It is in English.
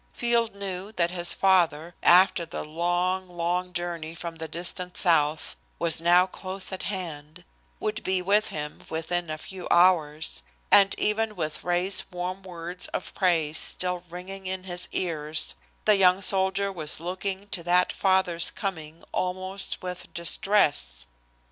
Field knew that his father, after the long, long journey from the distant South, was now close at hand, would be with him within a few hours, and even with Ray's warm words of praise still ringing in his ears, the young soldier was looking to that father's coming almost with distress.